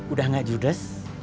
udah gak judes